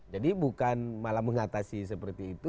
jadi bukan malah mengatasi seperti itu